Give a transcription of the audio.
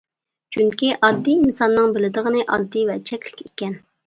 چۈنكى ئاددىي ئىنساننىڭ بىلىدىغىنى ئاددىي ۋە چەكلىك ئىكەن.